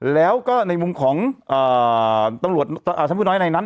แล้วก็ในมุมของตำรวจชั้นผู้น้อยในนั้น